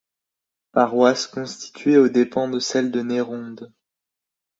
Paroisse constituée aux dépens de celle de Nérondes.